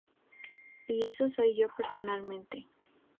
Y eso soy yo personalmente.